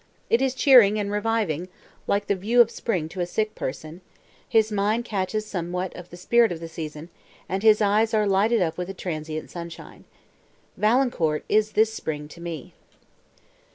It is cheering and reviving, like the view of spring to a sick person; his mind catches somewhat of the spirit of the season, and his eyes are lighted up with a transient sunshine. Valancourt is this spring to me."